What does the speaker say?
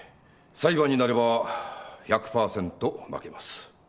裁判になれば１００パーセント負けます。